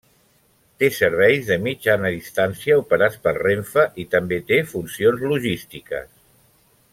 Té serveis de mitjana distància operats per Renfe i també té funcions logístiques.